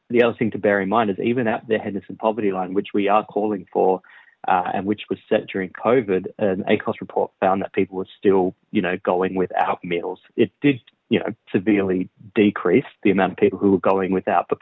dan kita harus memiliki ukuran kemampuan modern untuk memiliki kemampuan yang modern